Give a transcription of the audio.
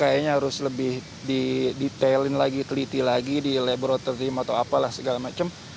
saya rasa harus lebih detail dikeliti lagi di laboratorium atau apalah segala macam